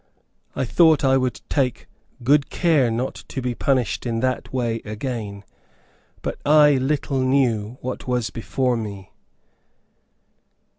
I thought I would take good care not to be punished in that way again; but I little knew what was before me.